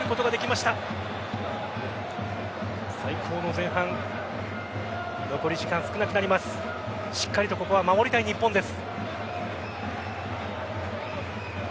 しっかりとここは守りたい日本です。